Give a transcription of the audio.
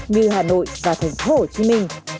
như hà nội và thành phố hồ chí minh